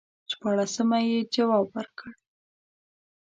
شپاړسمه یې جواب ورکړ.